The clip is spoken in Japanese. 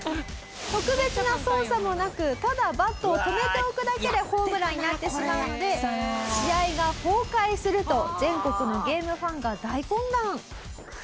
特別な操作もなくただバットを止めておくだけでホームランになってしまうので試合が崩壊すると全国のゲームファンが大混乱。